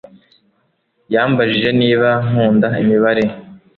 Yambajije niba nkunda imibare